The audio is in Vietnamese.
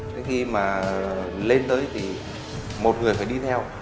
thế khi mà lên tới thì một người phải đi theo